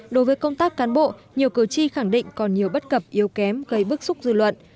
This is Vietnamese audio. đối với công tác cán bộ nhiều cử tri khẳng định còn nhiều bất cập yếu kém gây bức xúc dư luận